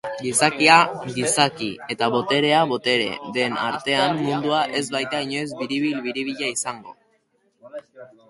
Gizakia gizaki eta boterea botere den artean mundua ez baita inoiz biribil-biribila izango.